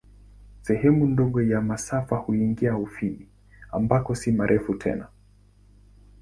Sehemu ndogo ya masafa huingia Ufini, ambako si marefu tena.